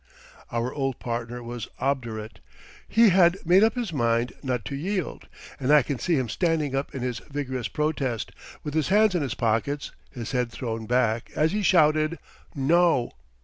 Our old partner was obdurate, he had made up his mind not to yield, and I can see him standing up in his vigorous protest, with his hands in his pockets, his head thrown back, as he shouted "No."